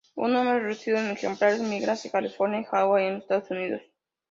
Un número reducido de ejemplares migra hacia California y Hawái, en los Estados Unidos.